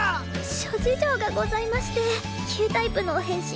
諸事情がございまして旧タイプの変身